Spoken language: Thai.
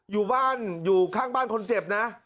อยู่บ้านอยู่ข้างบ้านคนเจ็บนะ